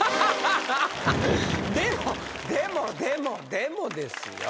でもでもでもでもですよ。